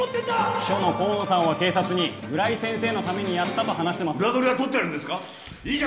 ・秘書の甲野さんは警察に村井先生のためにやったと裏取りは取ってあるんですか？